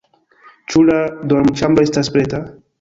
Ĉu la dormoĉambro estas preta?